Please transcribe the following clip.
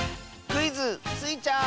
クイズ「スイちゃん」！